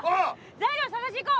材料探しにいこう！